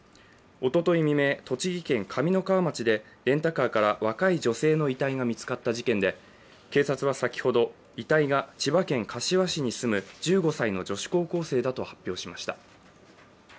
おととい未明、栃木県上三川町でレンタカーから若い女性の遺体が見つかった事件で、警察は先ほど、遺体が千葉県柏市に住む１５歳の女子高校生だと発表しました。